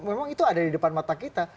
memang itu ada di depan mata kita